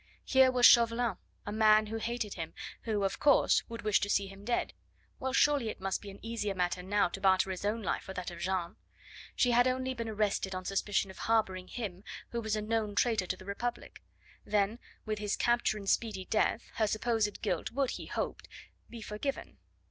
Here was Chauvelin, a man who hated him, who, of course, would wish to see him dead. Well, surely it must be an easier matter now to barter his own life for that of Jeanne; she had only been arrested on suspicion of harbouring him, who was a known traitor to the Republic; then, with his capture and speedy death, her supposed guilt would, he hoped, be forgiven.